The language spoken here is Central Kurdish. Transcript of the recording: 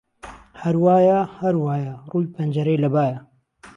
ههر وایه ههر وایه رووی پهنجهرهی له بایه